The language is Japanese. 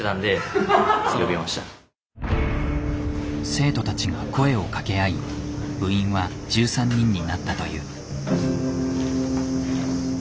生徒たちが声をかけ合い部員は１３人になったという。